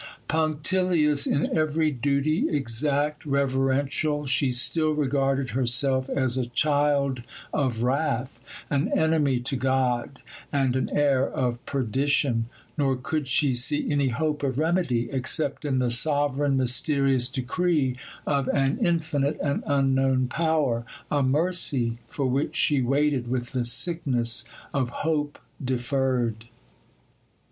Punctilious in every duty, exact, reverential, she still regarded herself as a child of wrath, an enemy to God, and an heir of perdition; nor could she see any hope of remedy, except in the sovereign, mysterious decree of an Infinite and Unknown Power, a mercy for which she waited with the sickness of hope deferred.